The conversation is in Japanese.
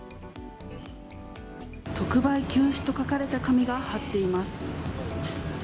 特売休止と書かれた紙が貼っています。